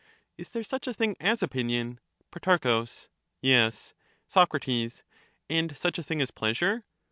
Is there such a thing as opinion ? Pro. Yes. Soc. And such a thing as pleasure